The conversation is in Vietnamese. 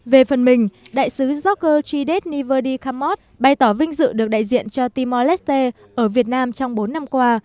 về phần mình đại sứ jocker chiedet niverdi kammoth bày tỏ vinh dự được đại diện cho timor leste ở việt nam trong bốn năm qua